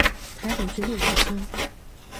台北至六福村。